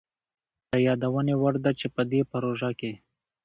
د يادوني وړ ده چي په دې پروژه کي